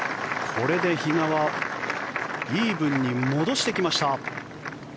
これで比嘉はイーブンに戻してきました。